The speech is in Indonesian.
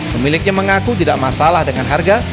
pemiliknya mengaku tidak masalah dengan harga